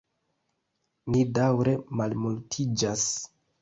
Ni daŭre malmultiĝas.